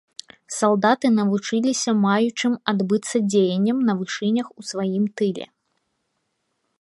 Салдаты навучаліся маючым адбыцца дзеянням на вышынях у сваім тыле.